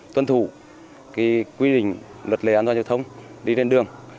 tuân thủ quy định luật lệ an toàn giao thông đi lên đường